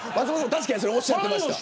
確かにおっしゃってました。